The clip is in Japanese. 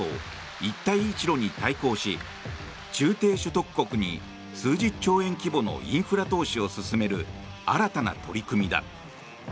一帯一路に対抗し中低所得国に数十兆円規模のインフラ投資を進める新たな取り組みだ。